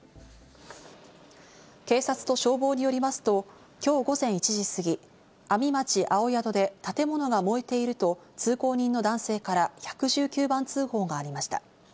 警察と消防によりますと今日午前１時すぎ、阿見町青宿で建物が燃えていると通行人の男性から１１９番通報がありました。